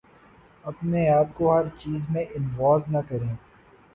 اپنے آپ کو ہر چیز میں انوالو نہ کریں